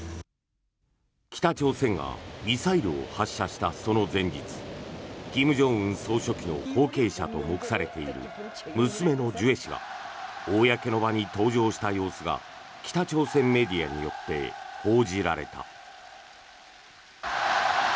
北朝鮮がミサイルを発射したその前日金正恩総書記の後継者と目されている娘のジュエ氏が公の場に登場した様子が北朝鮮メディアによって報じられた。